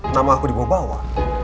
nama aku dibawa bawa